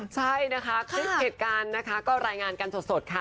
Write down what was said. ใช่นะคะคลิปเหตุการณ์นะคะก็รายงานกันสดค่ะ